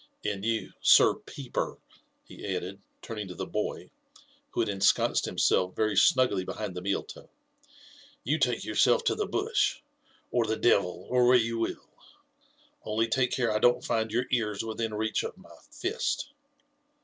And you. Sir Peeper," he added, taming to the boy, who had ensconced himself very snugly behind the tneaMub, "you take yourself to the bush, or the devil, or where you will,— only take care I don't find your ears within reach of my fiat.'